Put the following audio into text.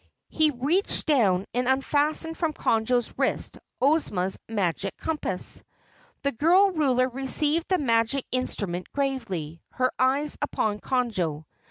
He reached down and unfastened from Conjo's wrist Ozma's Magic Compass. The Girl Ruler received the magic instrument gravely, her eyes upon Conjo.